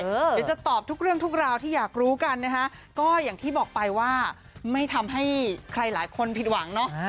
เดี๋ยวจะตอบทุกเรื่องทุกราวที่อยากรู้กันนะคะก็อย่างที่บอกไปว่าไม่ทำให้ใครหลายคนผิดหวังเนาะ